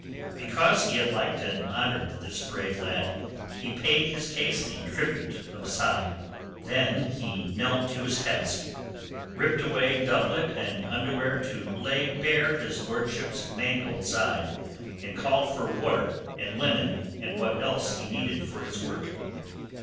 Because he had liked and honoured this brave lad he paid his case the tribute of a sigh. Then he knelt to his task, ripped away doublet and underwear to lay bare his lordship's mangled side, and called for water and linen and what else he needed for his work.